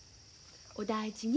お大事に。